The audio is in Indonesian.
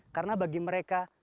karena bagi mereka